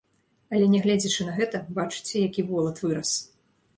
Але, нягледзячы на гэта, бачыце, які волат вырас.